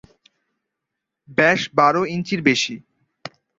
ব্যাস বারো ইঞ্চির বেশি।